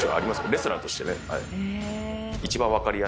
レスラーとしてね。